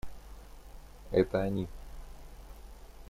Это они.